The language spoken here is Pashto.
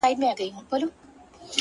له يوه كال راهيسي؛